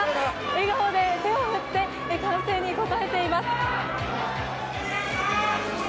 笑顔で手を振って歓声に応えています。